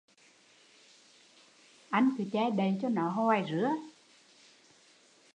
Anh cứ che đậy cho nó hoài